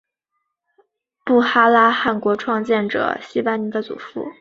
布哈拉汗国创建者昔班尼的祖父。